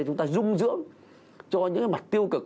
chúng ta dung dưỡng cho những mặt tiêu cực